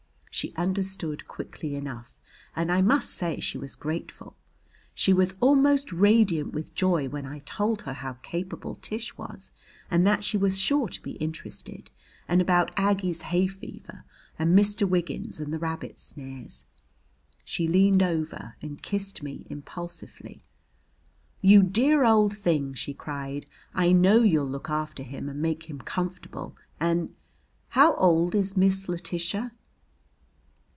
She understood quickly enough and I must say she was grateful. She was almost radiant with joy when I told her how capable Tish was, and that she was sure to be interested, and about Aggie's hay fever and Mr. Wiggins and the rabbit snares. She leaned over and kissed me impulsively. "You dear old thing!" she cried. "I know you'll look after him and make him comfortable and how old is Miss Letitia?"